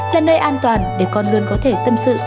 là nơi an toàn để con luôn có thể tâm sự